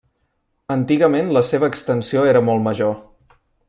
Antigament la seva extensió era molt major.